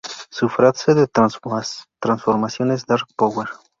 Su frase de transformación es Dark Power!